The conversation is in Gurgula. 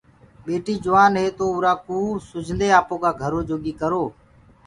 ٻٽيٚ جوآن هي تو اُرا ڪو سُجھدي آپو ڪآ گھرو جوگي ڪرو۔